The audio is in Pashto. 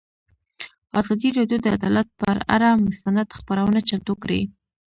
ازادي راډیو د عدالت پر اړه مستند خپرونه چمتو کړې.